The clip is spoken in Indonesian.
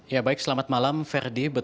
ya baik selamat malam ferdi